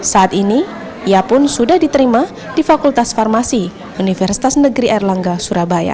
saat ini ia pun sudah diterima di fakultas farmasi universitas negeri erlangga surabaya